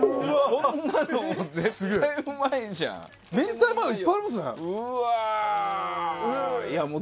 こんなの絶対うまいじゃん！うわー！